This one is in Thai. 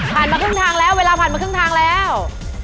มาครึ่งทางแล้วเวลาผ่านมาครึ่งทางแล้ว